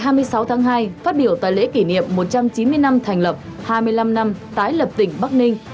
ngày hai mươi sáu tháng hai phát biểu tại lễ kỷ niệm một trăm chín mươi năm thành lập hai mươi năm năm tái lập tỉnh bắc ninh